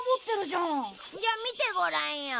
じゃあ見てごらんよ。